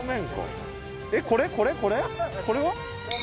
これは？